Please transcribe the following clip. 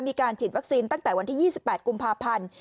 มีการฉีดวัคซีนตั้งแต่วันที่๒๘กุมภาพันธ์